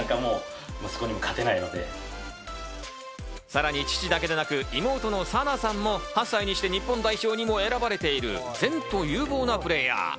さらに父だけでなく、妹の彩杏さんも８歳にして日本代表に選ばれている前途有望なプレーヤー。